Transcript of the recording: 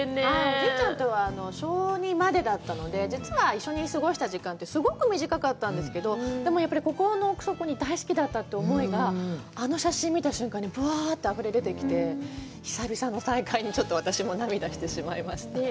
おじいちゃんとは小２までだったので、実は一緒に過ごした時間ってすごく短かったんですけど、でもやっぱり心の奥底に大好きだったという思いが、あの写真見たときに、ぶわっとあふれ出してきて、久々の再会に、ちょっと私も涙してしまいました。